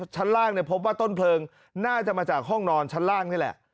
ชั้นล่างพบว่าต้นเพลิงน่าจะมาจากห้องนอนชั้นล่างนี่แหละ